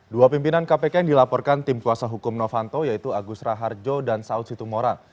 dua pimpinan kpk yang dilaporkan tim kuasa hukum novanto yaitu agus raharjo dan saud situmorang